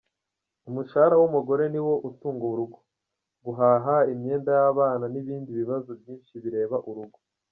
Umushahara wumugore niwo utunga urugo! Guhaha, imyenda yabana nibindi bibazo byinshi bireba urugo.